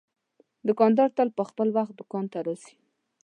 دوکاندار تل پر وخت دوکان ته راځي.